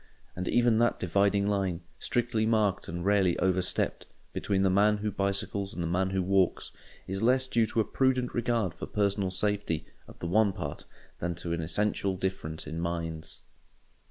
And even that dividing line—strictly marked and rarely overstepped—between the man who bicycles and the man who walks, is less due to a prudent regard for personal safety of the one part than to an essential difference in minds.